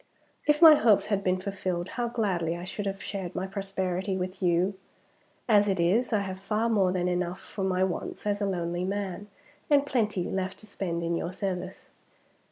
If my hopes had been fulfilled, how gladly I should have shared my prosperity with you! As it is, I have far more than enough for my wants as a lonely man, and plenty left to spend in your service.